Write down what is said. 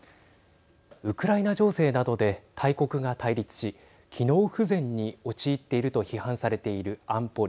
ウクライナ情勢などで大国が対立し機能不全に陥っていると批判されている安保理。